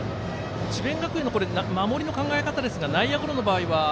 智弁学園の守りの考え方は内野ゴロの場合は？